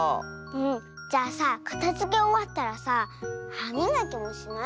じゃあさかたづけおわったらさはみがきもしない？